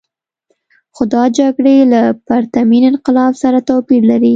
خو دا جګړې له پرتمین انقلاب سره توپیر لري.